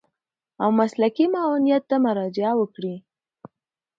او مسلکي معاونيت ته مراجعه وکړي.